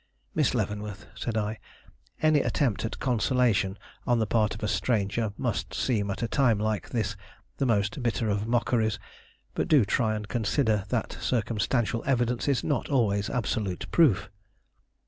"Miss Leavenworth," said I, "any attempt at consolation on the part of a stranger must seem at a time like this the most bitter of mockeries; but do try and consider that circumstantial evidence is not always absolute proof."